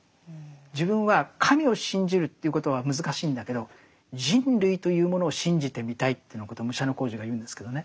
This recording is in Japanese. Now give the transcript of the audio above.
自分は神を信じるということは難しいんだけど人類というものを信じてみたいというようなことを武者小路が言うんですけどね。